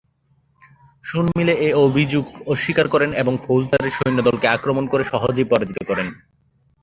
শোনমিলে এ অভিযোগ অস্বীকার করেন এবং ফৌজদারের সৈন্যদলকে আক্রমণ করে সহজেই পরাজিত করেন।